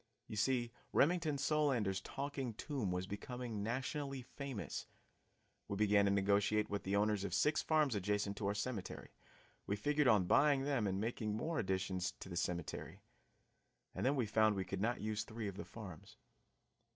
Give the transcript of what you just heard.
You see Remington Solander's Talking Tomb was becoming nationally famous. We began to negotiate with the owners of six farms adjacent to our cemetery; we figured on buying them and making more new additions to the cemetery. And then we found we could not use three of the farms.